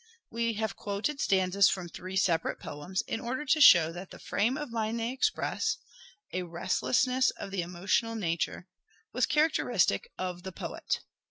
We have quoted stanzas from three separate poems •• shake in order to show that the frame of mind they express — spea£fjs " a restlessness of the emotional nature — was charac distraction, teristic of the poet.